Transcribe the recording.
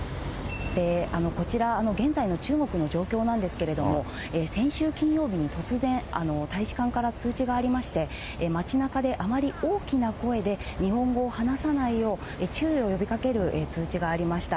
こちら、現在の中国の状況なんですけれども、先週金曜日に突然、大使館から通知がありまして、街なかであまり大きな声で日本語を話さないよう、注意を呼びかける通知がありました。